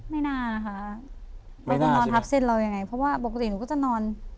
ไม่น่านะคะว่าจะนอนทับเส้นเรายังไงเพราะว่าปกติหนูก็จะนอน